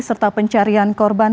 serta pencarian korban